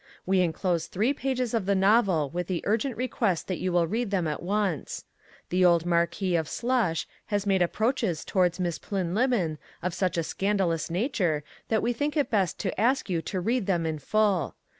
We enclose three pages of the novel with the urgent request that you will read them at once. The old Marquis of Slush has made approaches towards Miss Plynlimmon of such a scandalous nature that we think it best to ask you to read them in full.